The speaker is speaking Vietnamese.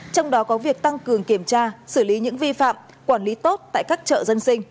trong đó có việc tăng cường kiểm tra xử lý những vi phạm quản lý tốt tại các chợ dân sinh